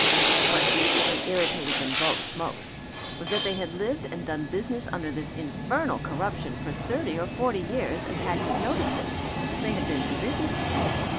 What secretly irritated them both most was that they had lived and done business under this infernal corruption for thirty or forty years and hadn't noticed it. They had been too busy.